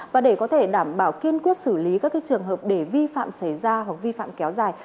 và để có thể đảm bảo kiên quyết xử lý các trường hợp để vi phạm xảy ra hoặc vi phạm kéo dài